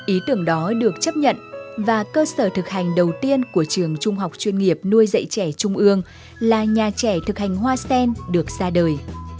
ý tưởng đó được chấp nhận và cơ sở thực hành đầu tiên của trường trung học chuyên nghiệp nuôi dạy trẻ trung ương là nhà trẻ thực hành hoa sen được ra đời